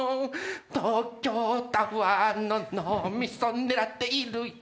東京タワーの脳みそ狙っているよ